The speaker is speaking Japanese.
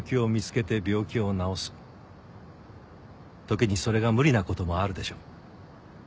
時にそれが無理な事もあるでしょう。